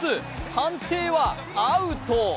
判定は、アウト。